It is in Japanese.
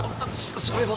それは。